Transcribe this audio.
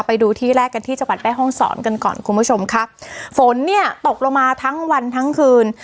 ไปดูที่แรกกันที่จังหวัดแม่ห้องศรกันก่อนคุณผู้ชมครับฝนเนี่ยตกลงมาทั้งวันทั้งคืน